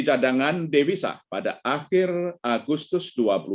cadangan devisa pada akhir agustus